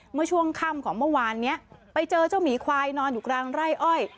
เมื่อช่วงค่ำของเมื่อวานนี้ไปเจอเจ้าหมีควายนอนอยู่กลางไร่อ้อย